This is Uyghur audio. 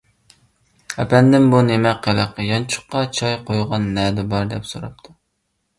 — ئەپەندىم، بۇ نېمە قىلىق، يانچۇققا چاي قۇيغان نەدە بار؟ — دەپ سوراپتۇ.